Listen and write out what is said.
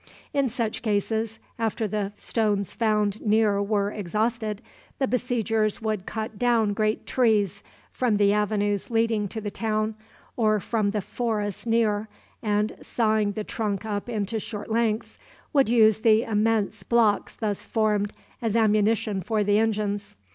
In such cases, after the stones found near were exhausted, the besiegers would cut down great trees from the avenues leading to the town, or from the forests near, and, sawing the trunk up into short lengths, would use the immense blocks thus formed as ammunition for the engines.